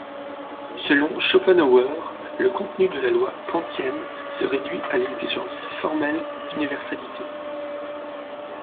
Selon Schopenhauer, le contenu de la loi kantienne se réduit à l'exigence formelle d’universalité.